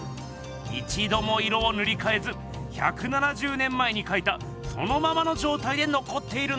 いちども色をぬりかえず１７０年前にかいたそのままの状態でのこっているんです。